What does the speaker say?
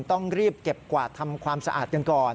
ต้องรีบเก็บกวาดทำความสะอาดกันก่อน